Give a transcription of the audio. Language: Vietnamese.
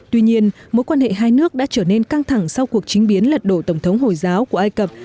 tuy nhiên mối quan hệ hai nước đã trở nên căng thẳng sau cuộc chính biến lật đổ tổng thống hồi giáo của ai cập